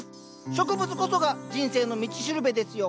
植物こそが人生の道しるべですよ。